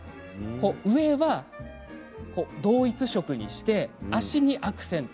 上は同一色にして足にアクセント。